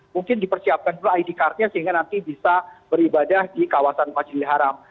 mungkin dipersiapkan pula id cardnya sehingga nanti bisa beribadah di kawasan masjidil haram